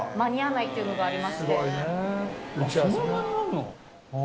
そんなにあんの？